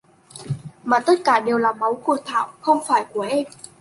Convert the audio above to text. Mà tất cả đều là máu của Thảo không phải của em